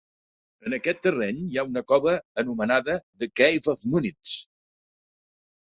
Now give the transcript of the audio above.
En aquest terreny hi ha una cova anomenada "The Cave of Munits".